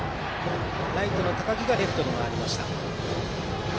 ライトの高木がレフトに回りました。